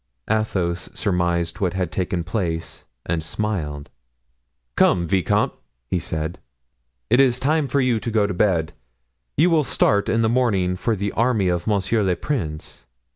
Athos surmised what had taken place and smiled. "Come, vicomte," he said, "it is time for you to go to bed; you will start in the morning for the army of monsieur le prince.